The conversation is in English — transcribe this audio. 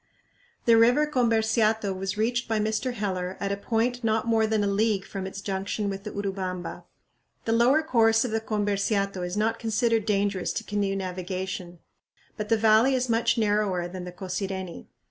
The river Comberciato was reached by Mr. Heller at a point not more than a league from its junction with the Urubamba. The lower course of the Comberciato is not considered dangerous to canoe navigation, but the valley is much narrower than the Cosireni.